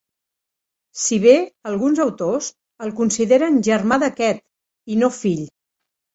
Si bé alguns autors el consideren germà d'aquest, i no fill.